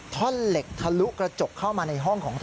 ท่อนเหล็กทะลุกระจกเข้ามาในห้องของเธอ